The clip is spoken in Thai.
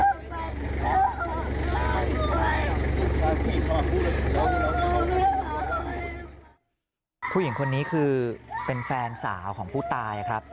ผู้หญิงคนนี้คือเป็นแฟนสาวของผู้ตายครับ